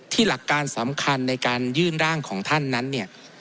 หลักการสำคัญในการยื่นร่างของท่านนั้นเนี่ย